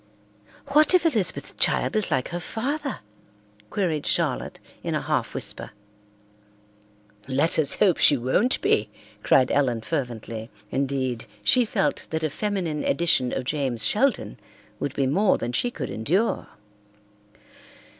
"What if Elizabeth's child is like her father?" queried Charlotte in a half whisper. "Let us hope she won't be!" cried Ellen fervently. Indeed, she felt that a feminine edition of James Sheldon would be more than she could endure.